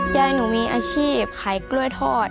ยายหนูมีอาชีพขายกล้วยทอด